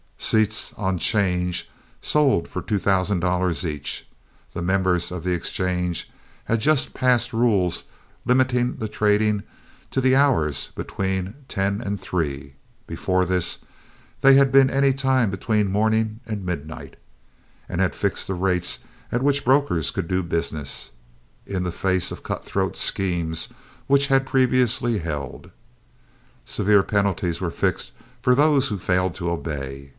Seats "on 'change" sold for two thousand dollars each. The members of the exchange had just passed rules limiting the trading to the hours between ten and three (before this they had been any time between morning and midnight), and had fixed the rates at which brokers could do business, in the face of cut throat schemes which had previously held. Severe penalties were fixed for those who failed to obey.